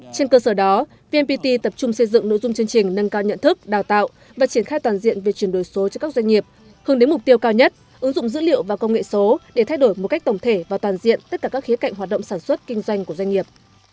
trên cơ sở đó vnpt tập trung xây dựng nội dung chương trình nâng cao nhận thức đào tạo và triển khai toàn diện về chuyển đổi số cho các doanh nghiệp hướng đến mục tiêu cao nhất ứng dụng dữ liệu và công nghệ số để thay đổi một cách tổng thể và toàn diện tất cả các khía cạnh hoạt động sản xuất kinh doanh của doanh nghiệp